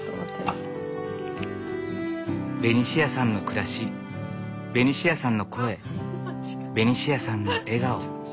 ベニシアさんの暮らしベニシアさんの声ベニシアさんの笑顔。